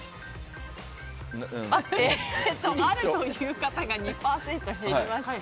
あるという方が２％減りました。